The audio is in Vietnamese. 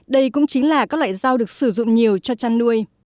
đây cũng chính là các loại rau được sử dụng nhiều cho chăn nuôi